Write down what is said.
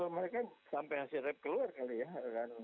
mereka sampai hasilnya keluar kali ya